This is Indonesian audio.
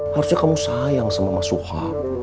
harusnya kamu sayang sama mas suha